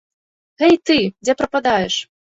Гэй ты, дзе прападаеш?